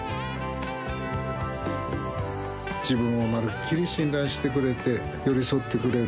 自分をまるっきり信頼してくれて寄り添ってくれる。